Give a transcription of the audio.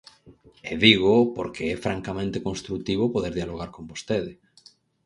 E dígoo porque é francamente construtivo poder dialogar con vostede.